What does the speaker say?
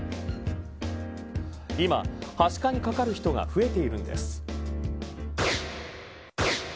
今、はしかにかかる人が増えているんです。